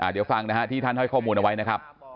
เดี๋ยวฟังนะฮะที่ท่านให้ข้อมูลเอาไว้นะครับ